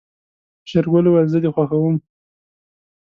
شېرګل وويل زه دې خوښوم.